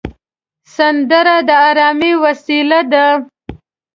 سندره د ارامۍ وسیله ده